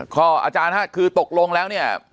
ก็อาจารย์ค่ะคือตกลงแล้วเนี่ย